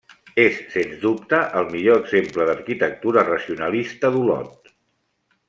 És, sens dubte, el millor exemple d'arquitectura racionalista d'Olot.